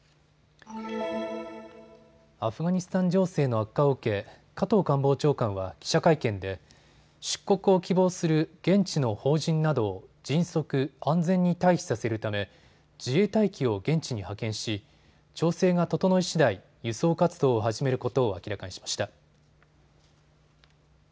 アフガニスタン情勢の悪化を受け加藤官房長官は記者会見で出国を希望する現地の邦人などを迅速、安全に退避させるため自衛隊機を現地に派遣し調整が整いしだい輸送活動を始めることを明らかにしました。